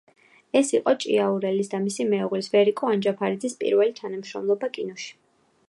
ეს იყო ჭიაურელის და მისი მეუღლის, ვერიკო ანჯაფარიძის პირველი თანამშრომლობა კინოში.